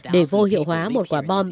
để vô hiệu hóa một quả bom